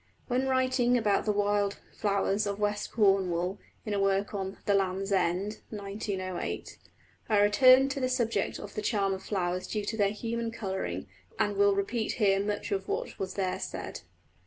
When writing about the wild flowers of West Cornwall in a work on The Land's End (1908), I returned to the subject of the charm of flowers due to their human colouring, and will repeat here much of what was there said.